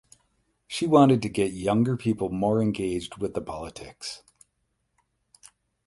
She wanted to get younger people more engaged with the politics.